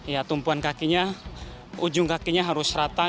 ya tumpuan kakinya ujung kakinya harus rata